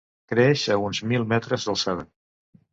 Creix a uns mil metres d'alçada.